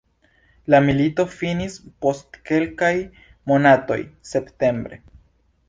La milito finis post kelkaj monatoj septembre.